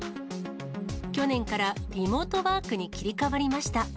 去年からリモートワークに切り替わりました。